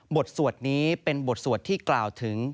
สวดนี้เป็นบทสวดที่กล่าวถึง